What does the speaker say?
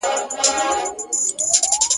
• ژوند د وېري سيوري للاندي دی,